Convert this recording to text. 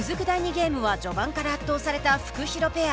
ゲームは序盤から圧倒されたフクヒロペア。